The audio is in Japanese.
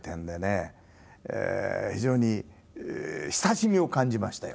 非常に親しみを感じましたよ。